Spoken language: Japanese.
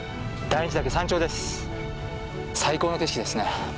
最高の景色ですね。